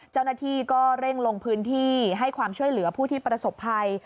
เจ้าหน้าที่ก็เร่งลงพื้นที่ให้ความช่วยเหลือผู้ที่ประสบภัย